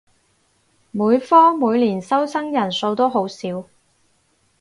每科每年收生人數都好少